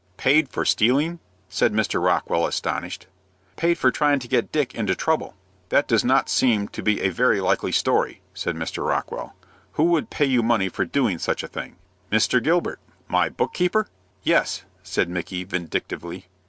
"Paid for stealing!" said Mr. Rockwell, astonished. "Paid for tryin' to get Dick into trouble." "That does not seem to be a very likely story," said Mr. Rockwell. "Who would pay you money for doing such a thing?" "Mr. Gilbert." "My book keeper?" "Yes," said Micky, vindictively.